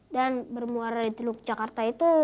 dan bermuara di teluk jakarta itu